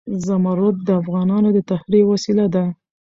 زمرد د افغانانو د تفریح یوه وسیله ده.